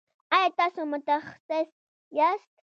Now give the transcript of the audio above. ایا تاسو متخصص یاست؟